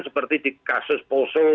seperti di kasus poso